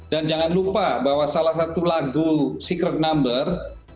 dan jangan lupa bahwa salah satu lagu secret number